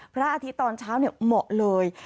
พระอาทิตย์ตอนเช้าเหมาะเลย